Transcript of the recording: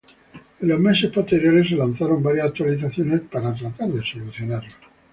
En los meses posteriores se lanzaron varias actualizaciones para tratar de solucionarlo.